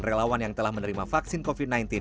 relawan yang telah menerima vaksin covid sembilan belas